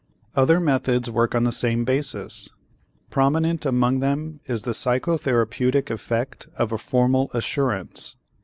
Other methods work on the same basis. Prominent among them is the psychotherapeutic effect of a formal assurance.